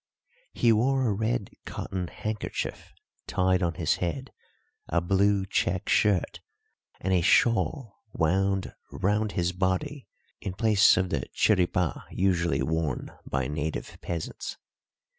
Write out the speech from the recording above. He wore a red cotton handkerchief tied on his head, a blue check shirt, and a shawl wound round his body in place of the chiripà usually worn by native peasants.